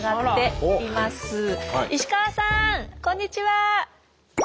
はいこんにちは。